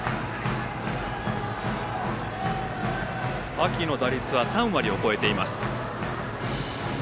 秋の打率は３割を超えています。